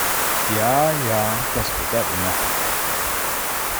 Ja ja, das steht da immer.